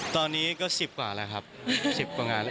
ตอนนี้ก็๑๐กว่าแล้วครับ๑๐กว่างานแล้ว